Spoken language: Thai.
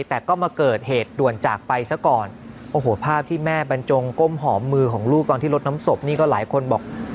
แต่ก็มาเกิดเหตุด่วนจากไปซะก่อนโอ้โหภาพที่แม่บรรจงก้มหอมมือของลูกตอนที่ลดน้ำศพนี่ก็หลายคนบอก